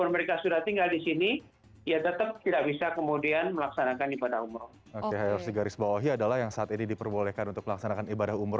mereka yang sudah empat belas hari memperoleh vaksin yang pertama